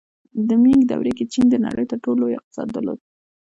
د مینګ دورې کې چین د نړۍ تر ټولو لوی اقتصاد درلود.